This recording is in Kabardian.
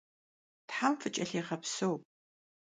Them fıç'elhiğepseu.